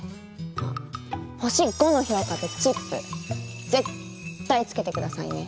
あっ星５の評価とチップ絶対つけて下さいね！